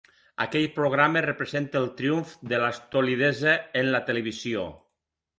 Aquell programa representa el triomf de l'estolidesa en la televisió.